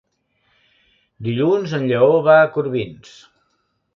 Dilluns en Lleó va a Corbins.